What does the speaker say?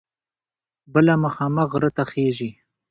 بله مخامخ غره ته خیژي.